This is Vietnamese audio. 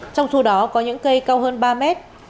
trong số đó có những cây cao hơn ba mét